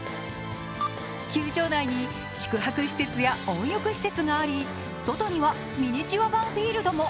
球場内に宿泊施設や温浴施設があり、外にはミニチュア版フィールドも。